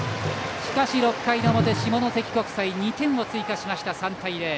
しかし６回の表、下関国際２点を追加して３対０。